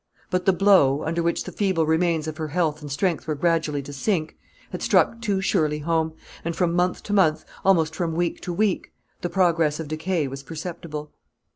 But the blow, under which the feeble remains of her health and strength were gradually to sink, had struck too surely home; and, from month to month almost from week to week the progress of decay was perceptible.